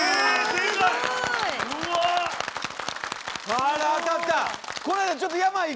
すごい。